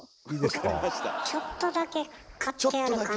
ちょっとだけ刈ってある感じ。